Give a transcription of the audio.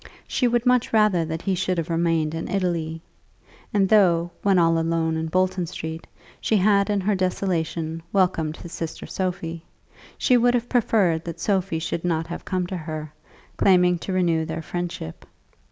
She would much rather that he should have remained in Italy. And though, when all alone in Bolton Street, she had in her desolation welcomed his sister Sophie, she would have preferred that Sophie should not have come to her, claiming to renew their friendship.